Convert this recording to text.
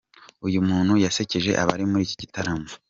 Uyu muntu yasekeje abari muri iki gitaramo.